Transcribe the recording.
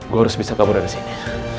gue harus bisa kabur dari sini